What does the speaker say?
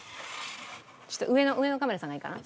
ちょっと上のカメラさんがいいかな？